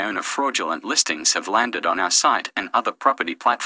namun beberapa pelanggan yang tindak cepat telah terbang di situs kami dan platform perusahaan lain